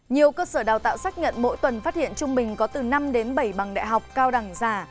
nhiều cơ sở đào tạo xác nhận mỗi tuần phát hiện trung bình có từ năm đến bảy bằng đại học cao đẳng giả